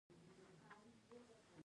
زه د زړه صفا ساتل خوښوم.